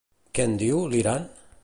Què en diu, l'Iran?